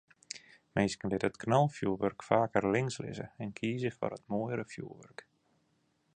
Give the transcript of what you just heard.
Minsken litte it knalfjoerwurk faker links lizze en kieze foar it moaiere fjoerwurk.